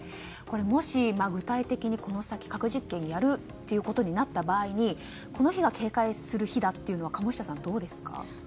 もし、具体的にこの先、核実験をやるということになった場合にこの日が警戒する日だというのは鴨下さん、どうですか？